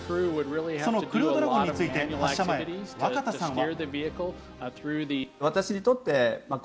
そのクルードラゴンについて、発射前、若田さんは。